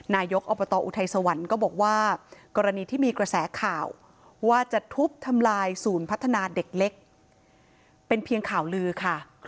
นายกอบตอุทัยสวรรค์ก็บอกว่ากรณีที่มีกระแสข่าวว่าจะทุบทำลายศูนย์พัฒนาเด็กเล็กเป็นเพียงข่าวลือค่ะ